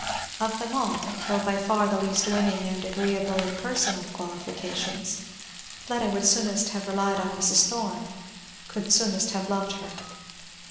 Of them all, though by far the least winning and agreeable in personal qualifications, Fleda would soonest have relied on Mrs. Thorn, could soonest have loved her.